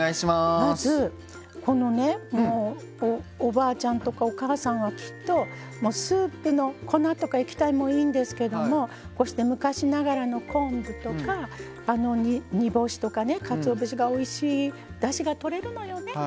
まず、おばあちゃんとかお母さんはきっとスープの粉とか液体もいいんですけどこうして昔ながらの昆布とか煮干しとか、かつお節がおいしいだしがとれるのよね。